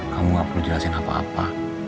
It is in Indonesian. kamu gak perlu jelasin apa apa